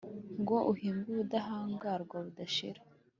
ngo uhembwe ubudahangarwa budashira,